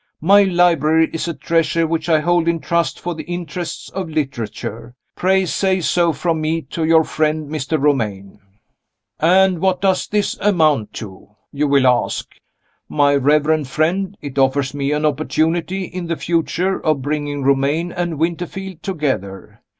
My library is a treasure which I hold in trust for the interests of literature. Pray say so, from me, to your friend Mr. Romayne." And what does this amount to? you will ask. My reverend friend, it offers me an opportunity, in the future, of bringing Romayne and Winterfield together.